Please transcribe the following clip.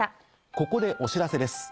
ここでお知らせです。